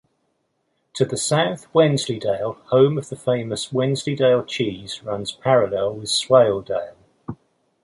To the south, Wensleydale, home of the famous Wensleydale cheese, runs parallel with Swaledale.